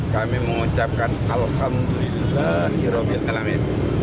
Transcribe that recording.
kami mengucapkan alhamdulillahirrahmanirrahim